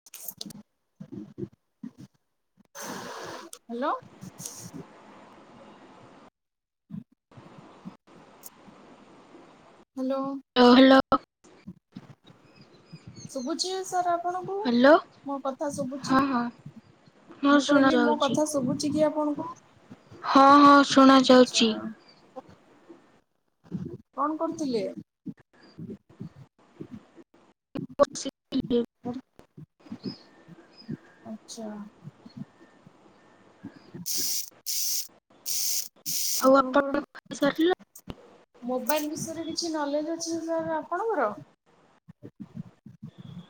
[inaudible] Hello. [inaudible] Hello. ରହ ଲ। ଶୁଭୁଚି ନା ସାର୍ ଆପଣଙ୍କୁ ହ୍ୟାଲୋ ହ୍ୟାଲୋ ମୋ କଥା ଶୁଭୁଚି? ହଁ ହଁ ହଁ ମୁଁ ଶୁଣା କହିଲି ମୋ ଯାଉଛି। କଥା ଶୁଭୁଚି କି ଆପଣଙ୍କୁ? ହଁ ହଁ ଶୁଣା ଆଛା ଯାଉଚି। କଣ କରୁଥିଲେ? [inaudible] ଆଛା। [inaudible] ମୋବାଇଲ ଆଉ ବିଷୟରେ ଆପଣ କିଛି ଖାଇସାରିଲେ? ନଲେଜ ଅଛି ସାର୍ ଆପଣଙ୍କର?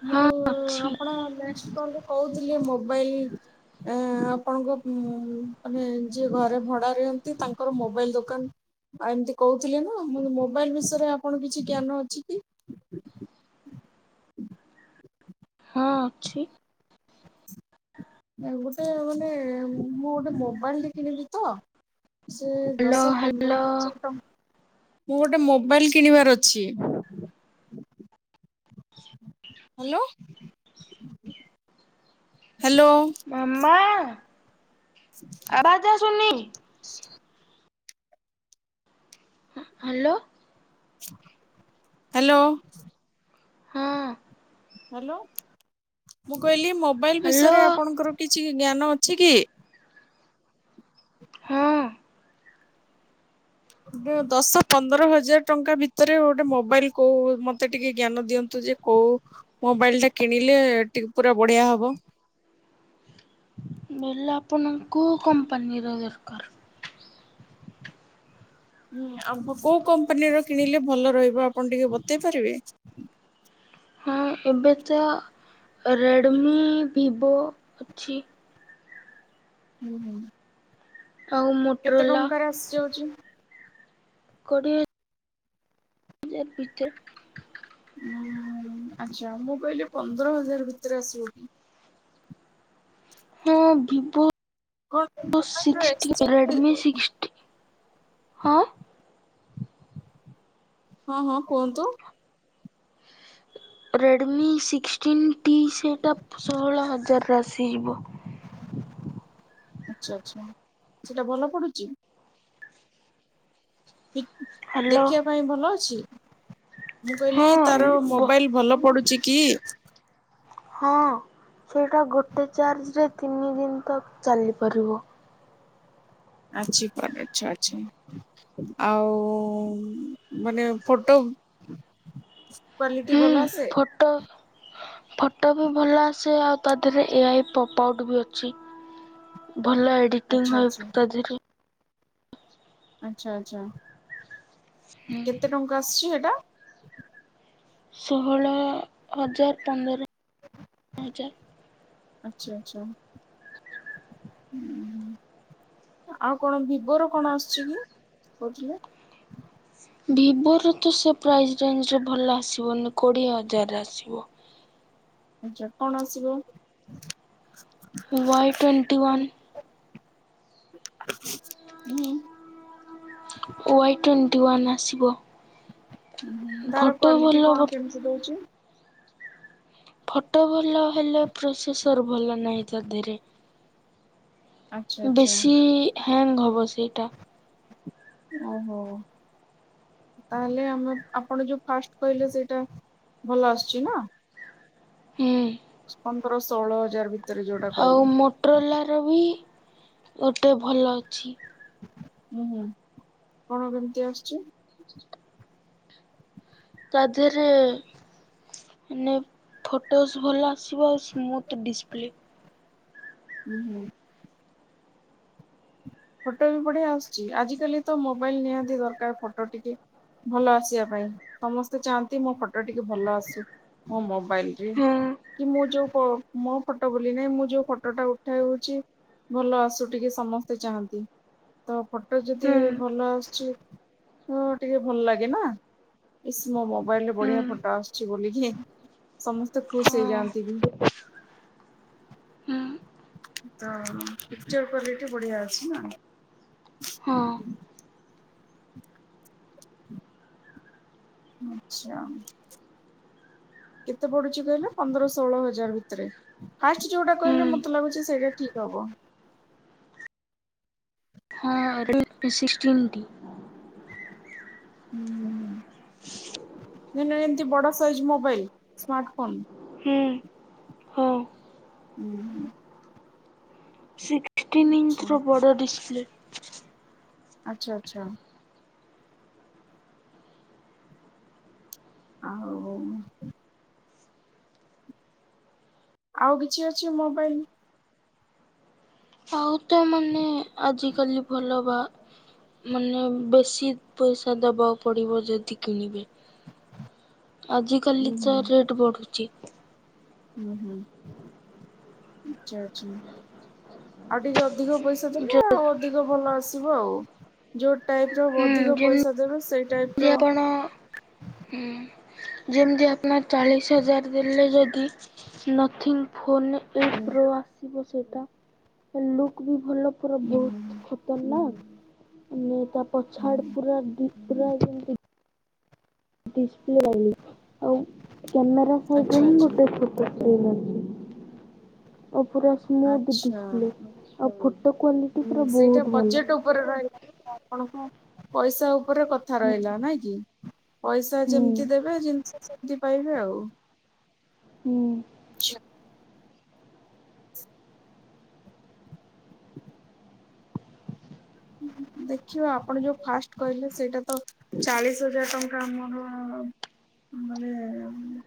ମୁଁ ହଁ ଅଛି ଆପଣ ନେକ୍ସଟ୍ କଲ୍ ରେ କହୁଥିଲେ ମୋବାଇଲ୍ ଏ ଆପଣଙ୍କ ମାନେ ଯିଏ ଘରେ ଭଡା ରୁହନ୍ତି ତାଙ୍କର ମୋବାଇଲ୍ ଦୋକାନ ଆଉ ଏମିତି କହୁଥିଲେ ନା ମୁଁ-ମୋବାଇଲ୍ ବିଷୟରେ ଆପଣଙ୍କ କିଛି ଜ୍ଞାନ ଅଛି କି? ହଁ ଅଛି। ଗୋଟେ ଗୋଟେ ମୁଁ ଗୋଟେ ମୋବାଇଲ୍ ଟେ କିଣିବି ତ। ସେ ହ୍ୟାଲୋ ଦଶ ପନ୍ଦର ହ୍ୟାଲୋ ହଜାର ଟଙ୍କା- ମୁଁ ଗୋଟେ ମୋବାଇଲ୍ କିଣିବାର ଅଛି। Hello hello. ମାମା। ଆବାଜ ଆସୁନି? [inaudible] ହ ହ୍ୟାଲୋ। ହ୍ୟାଲୋ। ହଁ। ହ୍ୟାଲୋ ମୁଁ କହିଲି ମୋବାଇଲ୍ ହ୍ୟାଲୋ ବିଷୟରେ ଆପଣଙ୍କର କିଛି ଜ୍ଞାନ ଅଛି କି? ହଁ। ଦଶ ପନ୍ଦର ହଜାର ଟଙ୍କା ଭିତରେ ଗୋଟେ ମୋବାଇଲ୍ କୋଉ ମତେ ଟିକେ ଜ୍ଞାନ ଦିଅନ୍ତୁ ଯେ। କଉ ମୋବାଇଲ ଟା କିଣିଲେ ଟିମ୍ପୁରା ବଢିଆ ହବ। ବେଲ ଆପଣଙ୍କୁୁ କମ୍ପାନୀର ଦରକାର? ଆ କୋଉ କମ୍ପାନୀର କିଣିଲେ ଭଲ ରହିବ ଆପଣ ଟିକେ ବତେଇ ପାରିବେ? ହଁ ଏବେ ତ ରେଡ଼ମି ଭିବୋ ଅଛି। ହୁଁ ହୁଁ ଆଉ କେତେ ମୋଟରୋଲା ଟଙ୍କାରେ ଆସିଯାଉଚି? କୋଡ଼ିଏ [unintelligible] ହଁ ଆଚ୍ଛା ମୁଁ କହିଲି ପନ୍ଦର ହଜାର ଭିତରେ ଆସିବ କି? ହଁ ଭିବୋ କଣ ମୋବାଇଲର ସିକ୍ସଟି ଏକ୍ସଚେଞ୍ଜ ରେଡ଼୍ମି ସିକ୍ସଟି। ହଁ। ହଁ ହଁ କୁହନ୍ତୁ। ରେଡ଼୍ମି ସିକ୍ସଟିନ୍ ଟି ସେଟା ଷୋହଳ ହଜାରରେ ଆସିଯିବ। ଆଚ୍ଛା ଆଚ୍ଛା ସେଟା ଭଲ ପଡୁଚି? ଇକ୍ ହ୍ୟାଲୋ ଦେଖିବା ପାଇଁ ଭଲ ଅଛି? ମୁଁ କହିଲି ହଁ ତାର ବ ମୋବାଇଲ୍ ଭଲ ପଡୁଚି କି? ହଁ ସେଇଟା ଗୋଟେ ଚାର୍ଜରେ ତିନି ଦିନ ତକ୍ ଚାଲିପାରିବ। ଆଜି ପାଗ୍ ଅଛା ଅଛି। ଆଉ ଉଁ ମାନେ ଫଟୋ କ୍ଵାଲିଟି ଭଲ ଆସେ। ଟ ଫଟୋ ବି ଭଲ ଆସେ ଆଉ ତା ଧିଏରେ ଏ ଆଇ ପପ୍ ଆଉଟ୍ ବି ଅଛି। ଭଲ ଏଡିଟିଂ ଆଚ୍ଛା ହଏ ଆଚ୍ଛା ପ୍ ତାଧିରେ। ଆଚ୍ଛା ଆଚ୍ଛା ହୁଁ କେତେ ଟଙ୍କା ଆସିଛି ହେଟା? ଷୋହଳ ହଜାର ପନ୍ଦର ହଜାର। ଆଚ୍ଛା ଆଚ୍ଛା ଉଁ ଆଉ କଣ ଭିବୋର କଣ ଆସୁଚି କି କହୁଥିଲେ। ଭିବୋର ତ ସେ ପ୍ରାଇଜ୍ ରେଞ୍ଜରେ ଭଲ ଆସିବନି କୋଡିଏ ହଜାରରେ ଆସିବ। ଆଚ୍ଛା କଣ ଆସିବ? Y twenty one. ହୁଁ। ୱାଇ ଟୋଣ୍ଟିୱାନ୍ ଆସିବ ଫଟୋ ଭଲ ହବ। ତୁ ଦଉଚୁ? ଫଟୋ ଭଲ ହେଲେ ପ୍ରୋସେସର୍ ଭଲ ନାହିଁ ତାଧେରେ। ଆଚ୍ଛା ଆଚ୍ଛା ବେଶୀ ହ୍ୟାଙ୍ଗ୍ ହବ ସେଇଟା। ଓହୋ। ତାହେଲେ ଆମେ ଆପଣ ଯୋଉ ଫାଷ୍ଟ୍ କହିଲେ ସେଇଟା ଭଲ ଆସୁଚି ନା। ହୁଁ। ପନ୍ଦର ଷୋଳ ହଜାର ଭି ଆଉ ମୋଟରଲାର ବି ଗୋଟେ ଭଲ ଅଛି। ଉଁ କଣ କେମତି ଆସୁଚି? ତା ଧିଏରେ ମାନେ ଫଟୋସ୍ ଭଲ ଆସିବ। ମୋର ତ ଡିସପ୍ଲେ ଉଁ ହୁଁ। ଫୋଟୋ ବି ବଢିଆ ଆସୁଚି ଆଜିକାଲି ତ ମୋବାଇଲ୍ ନିହାତି ଦରକାର ଫୋଟୋ ଟିକେ ଭଲ ଆସିଆ ପାଇଁ ସମସ୍ତେ ଚାହାନ୍ତି ମୋ ଫଟ ଟିକେ ଭଲ ଆସୁ ମୋ ମମ୍ ବାଇଲରେ ହୁଁ କି ମୋ ଯୋଉ ପୋ ମୋ ଫଟୋ ବୋଲି ନାଇଁ ମୁଁ ଯୋଉ ଫଟୋଟା ଉଠାଏ ହଉଚି ଭଲ ଆସୁ ଟିକେ ସମସ୍ତେ ଚାହାନ୍ ତି ତ ଫଟୋ ଯଦି ହୁଁ ଭଲ ଆସୁଛି ତ ଟିକେ ଭଲ ଲାଗେ ନା। ଇସ୍ ମୋ ମୋବାଇଲରେ ହୁଁ ବଢିଆ ଫଟ ଆସୁଛି ବୋଲିକି ସମସ୍ତେ ଖୁସ୍ ହଁ ହେଇଯାଆନ୍ତି ବି। ହୁଁ ଉଁ ତ ପିକ୍ଚର କ୍ଵାଲିଟି ବଢିଆ ଅଛି ନା। ହଁ ହ [unintelligible] ଓ ଆଚ୍ଛା। କେତେ ପଡୁଛି କହିଲେ ପନ୍ଦର ଷୋଳ ହଜାର ଭିତରେ। ଫାଷ୍ଟ୍ ଯୋଉଟା ହୁଁ କହିଲେ ମତେ ଲାଗୁଚି ସେଇଟା ଠିକ୍ ହବ। ହଁ [unintelligible] ଷିକଷ୍ଟି ୟୁନିଟି। ହୁଁ [unintelligible] ଏମତି ବଡ ସାଇଜ୍ ମୋବାଇଲ ସ୍ମାର୍ଟ ଫୋନ୍। ହୁଁ। ହଉ। ଉଁ ହୁଁ। ଆଚ୍ଛା ଏଥିରେ ବଡ଼ ଡିସ୍ ପ୍ଲେ। ଆଚ୍ଛା, ଆଚ୍ଛା। ଆଉ। ଆଉ କିଛି ଅଛି ମୋବାଇଲ୍। ତା ମାନେ ଆଜିକାଲି ଭଲ ବା। ମାନେ ବେଶି ପଇସା ଦେବାକୁ ପଡ଼ିବ ଯଦି କିଣିବେ। ଆଜିକାଲି ହୁଁ ତ ହୁଁ ରେଟ୍ ବଢୁଚି। ହୁଁ, ହୁଁ ଆଛା, ଆଚ୍ଛା ଆଉ ଟିକେ ଅଧିକ ପଇସା। ଯ ଦେଲେ ଆଉ ଅଧିକ ଭଲ ଆସିବ ଆଉ। ଯୋଉ ଟାଇପ୍ ର ଅଧିକ ପଇସା ଦେବେ ସେଇ ଟାଇପ୍ ର। କ'ଣ ହୁଁ। ଯେମିତି ଆପଣ ଚାଳିଶି ହଜାର ଦେଲେ ଯଦି ନ ଥିଙ୍ଗ୍ ଫୋନ୍ ପେ। ହୁଁ। ତ ଆସିବ ସେଇଟା, ଲୁକ୍ ବି ଭଲ ପୁରା ହୁଁ ହୁଁ ବହୁତୁ ହୁଁ। ତ ନା ନେ ତା ପଛଆଡେ ହୁଁ। ପୁରା ଦିପ୍ ପୁରା ଯେମିତି। ଡିସପ୍ଲେ ଲାଗି ଆଉ କ୍ୟାମେରା ସାଇଟି ରେ ଆଚ୍ଛା ହିଁ ଆଚ୍ଛା ଗୋଟେ ଫୋନ୍। [inaudible] ଏ ପୁରା। ସ୍ମୁଥ୍ ଆଚ୍ଛା ଡିସପ୍ଲେ ଆଉ ଫଟୋ କ୍ୱାଲିଟି ହୁଁ ପୁରା ସେଇଟା ବହୁତୁ ଭଲ। ବଜେଟ୍ ଉପରେ ରହିଲା ଆଉ ଆପଣଙ୍କ ପଇସା ଉପରେ କଥା। ଛଥର ହୁଁ ହେଇଯାଉ ନାଇଁ କି ପଇସା ହୁଁ ଯେମିତି ଦେବେ ଜିନିଷ ସେମିତି ପାଇବେ ଆଉ। ହୁଁ। ଛ। ଦେଖିବା ଆପଣ ଯୋଉ ଫାଷ୍ଟେ କହିଲେ ସେଇଟା ତ। ଚାଳିଶି ହଜାର ଟଙ୍କା ଆମର ମାନେ।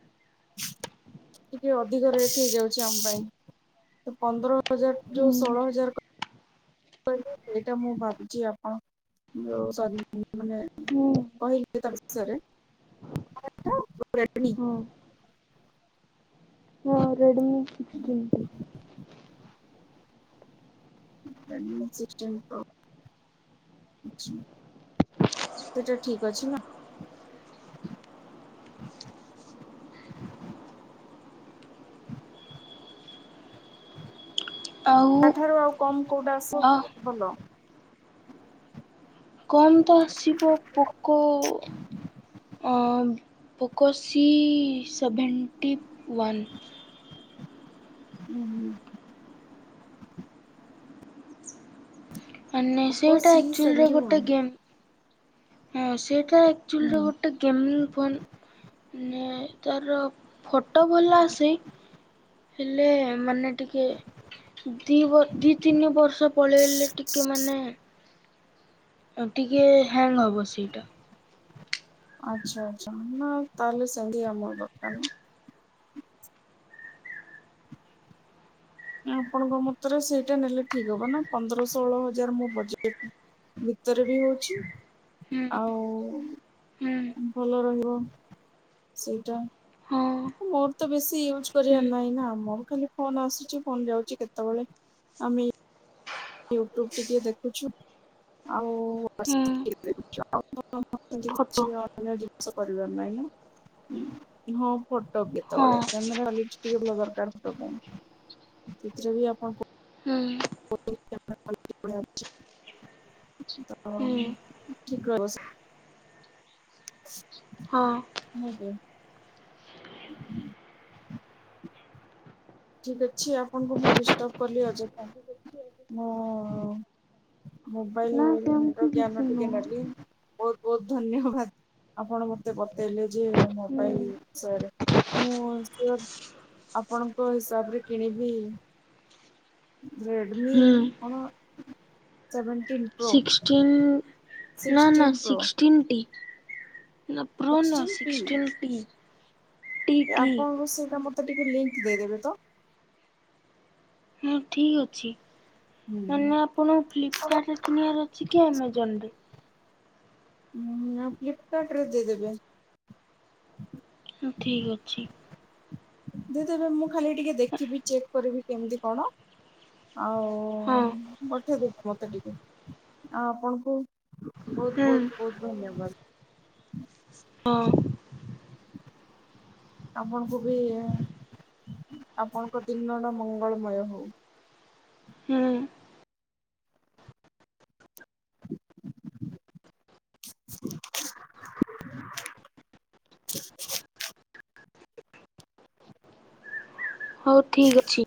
[unintelligible] ଟିକେ ଅଧିକ ରେଟ୍ ହେଇଯାଉଛି ଆମ ପାଇଁ ପନ୍ଦର ହଜାର ଯୋଉ ହୁଁ ଷୋଳ ହଜାର କହିଲେ ସେଇଟା ମୁଁ ଭାବୁଛି ଆପଣ ଯୋଉ ସରି ମାନେ। ହୁଁ କହିଲେ ତା ବିଷୟରେ। [inaudible] ହଁ ହଁ Redmi sixteen pro. [inaudible] System pro. ଆଚ୍ଛା ସେଟା ଠିକ ଅଛି ନା। ଆଉ ତା ଠାରୁ ଆଉ କମ୍ କୋଉଟା ଆସୁ ଅ ଭଲ। କମ୍ ତ ଆସିବ ପୋକ। ଅ ପୋକ ସି ସେଭେଣ୍ଟି ୱାନ୍। ଉଁ ହୁଁ। ମାନେ ଓପୋ ସେଇଟା ସି ଆକ୍ଚୁଆଲିର ସେଭେଣ୍ଟି ଗୋଟେ ୱାନ୍। ଗେମ୍। ହୁଁ ସେଟା ଆଚୁଆଲି ହୁଁ। ର ଗୋ। ଗୋଟେ ଗେମିଙ୍ଗି ଫୋନ୍ ନେ ତାର ଫଟ ଭଲ ଆସେ। ହେଲେ ମାନେ ଟିକେ ଦି ବ ଦି, ତିନି ବର୍ଷ। ପଳେଇଲେ ଟିକେ ମାନେ। ହଁ ଟିକେ ହ୍ୟାଙ୍ଗ ହବ ସେଇଟା। ଆଚ୍ଛା ଆଚ୍ଛା ନା ତାହେଲେ ସେଙ୍ଗି ଆମର ଦରକାର ନାହିଁ। ଆପଣଙ୍କ ମତରେ ସେଇଟା ନେଲେ ଠିକ୍ ହବ ନା ପନ୍ଦର, ଷୋଳ ହଜାର ମୋ ବଜେଟ୍। ଭିତରେ ବି ହଉଛି ହୁଁ ଆଉ। ହୁଁ ଭଲ ରହିବ ସେଇଟା। ହଁ ମୋର ତ ବେଶୀ ୟୁଜ ହୁଁ କରିବାର ନାହିଁ ନା ମୋର ଖାଲି ଫୋନ ଆସୁଛି ଫୋନ ଯାଉଛି କେତେବେଳେ। ଆମେ ୟୁଟ୍ୟୁବ ଟିକେ ଦେଖୁଛୁ। ଆଉ ଆ ହୁଁ [unintelligible] କିଛି ଫଟୋ ଅନ୍ୟ ଜିନିଷ କରିବାର ନାହିଁ। ହଁ। ଫଟୋ ହଁ କେତେବେଳେ କ୍ୟାମେରା କ୍ୱାଲିଟୀ ଟିକେ ଭଲ ଦରକାର ଫଟ ପାଇଁ ସେଥିରେ ବି ଆପଣ ହୁଁ। ହୁଁ [unintelligible] [unintelligible] ହଁ। ଆଜ୍ଞା। ଠିକ୍ ଅଛି ଆପଣଙ୍କୁ ମୁ ଡିଷ୍ଟର୍ବ କଲି ଅଯଥା। ମୁଁ ନା ମୁୋବାଇଲ ସେମିତି ର କିଛି ଜ୍ଞାନ ଟିକେ ନୁହଁ। ନେବି। ବହୁତ ବହୁତ ଧନ୍ୟବାଦ। ଆପଣ ମତେ ବତେଇଲେ ଯେ ହୁଁ ମୋବାଇଲ ବିସୟରେ ମୁ ଆପଣଙ୍କ ହିସାବରେ କିଣିବି। ରେଡମି ହୁଁ କଣ ସେଭେଣ୍ଟିନ୍? ପ୍ରୋ ସିକ୍ସଟିନ୍ ନା ନା ସିକ୍ସଟିନ୍ ପ୍ରୋ ସିକ୍ସଟିନ ଟି। ନା ପ୍ରୋନୋ ସିକ୍ସଟିନ୍ ପି ସିକ୍ସଟିନ୍ଟିଟି। ଆପଣଙ୍କୁ ସେଇଟା ମତେ ଟିକେ ଲିଙ୍କ ଦେଇଦେବେ ତ। ହଁ ଠିକ୍ ଅଛି ମାନେ ଉଁ ଆପଣ ଫ୍ଲିପକାର୍ଟରେ କିଣିବାର ଅ ଅଛି କି ଆମାଜନ ରେ। ହଁ ନା ଫ୍ଲିପକାର୍ଟରେ ଦେଇଦେବେ। ହଉ ଠିକ୍ ଅଛି। ଦେଇଦେବେ ମୁଁ ଖାଲି ଟିକେ ଦେଖିବି ଚେକ୍ କରିବି କେମିତି କଣ ଆଉ ହଁ ପଠେଇଦେବେ ମତେ ଟିକେ ଆଉ ଆପଣଙ୍କୁ ବହୁତ ହୁଁ ବହୁତ ବହୁତ ଧନ୍ୟବାଦ। ହଁ। [inaudible] ଆପଣଙ୍କୁ ବି ଆପଣଙ୍କ ଦିନଟା ମଙ୍ଗଳମୟ ହଉ। ହୁଁ। [unintelligible] [unintelligible] ହଉ ଠିକ୍ ଅଛି।